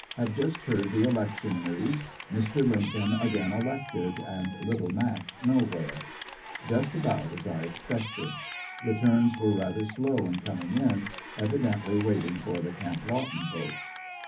Have just heard the election news — Mr. Lincoln again elected, and "Little Mac" now^here. Just about as I expected. Returns were rather slow in coming in, evidently waiting for the Camp Lawton vote.